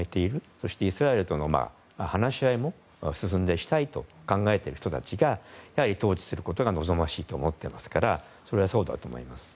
そしてイスラエルとの話し合いも進んで、したいと考えている人たちが統治することが望ましいと思っていますからそれはそうだと思います。